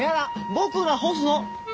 僕が干すの！」。